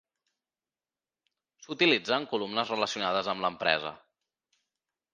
S'utilitza en columnes relacionades amb l'empresa.